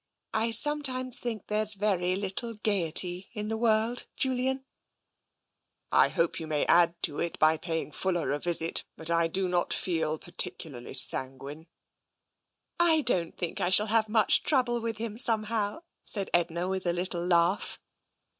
I sometimes think there's very little gaiety in the world, Julian." TENSION 167 " I hope you may add to it by paying Fulkr a visit, but I do not feel particularly sanguine." " I don't think I shall have much trouble with him, somehow," said Edna, with a little laugh.